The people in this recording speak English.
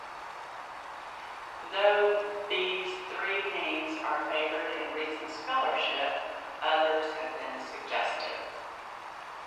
Though these three names are favored in recent scholarship, others have been suggested.